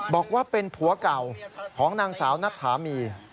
บอกว่าเป็นผัวเก่าของนางสาวนัทธามี